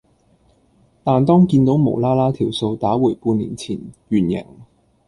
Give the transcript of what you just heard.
但當見倒無啦啦條數打回半年前原形